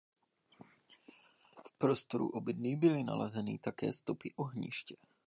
V prostoru obydlí byly nalezeny také stopy ohniště.